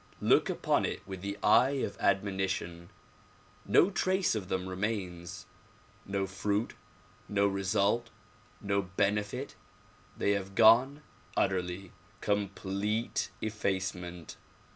Look upon it with the eye of admonition. No trace of them remains, no fruit, no result, no benefit; they have gone utterly ; complete effacement.